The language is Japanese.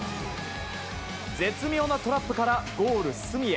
絶妙なトラップからゴール隅へ。